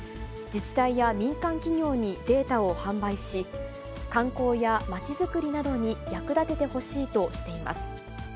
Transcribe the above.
自治体や民間企業にデータを販売し、観光や街づくりなどに役立ててほしいとしています。